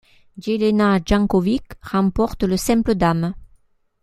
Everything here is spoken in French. Jelena Janković remporte le simple dames.